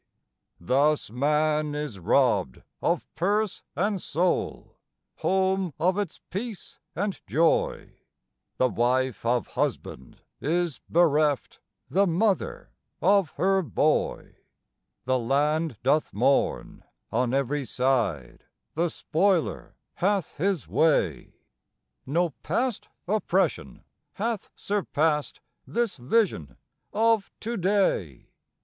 Thus man is robbed of purse and soul, home of its peace and joy; The wife of husband is bereft, the mother of her boy. The land doth mourn. On every side the spoiler hath his way; No past oppression hath surpassed this vision of to day.